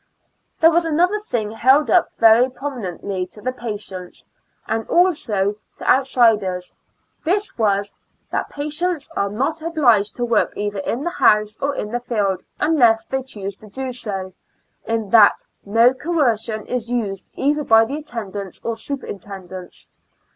There was another thing held up very prominently to the patients, and also to out siders. This was, that patients are not obliged to work either in the house or in the field, unless they chose to do so, and that no coercion is used either by the attendants or superintendents.